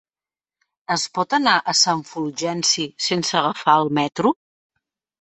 Es pot anar a Sant Fulgenci sense agafar el metro?